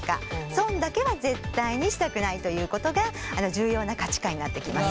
損だけは絶対にしたくないということが重要な価値観になってきます。